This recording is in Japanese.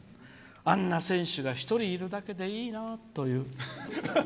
あんな選手が一人いるだけでいいなという。